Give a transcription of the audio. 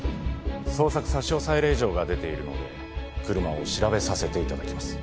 捜索差押令状が出ているので車を調べさせて頂きます。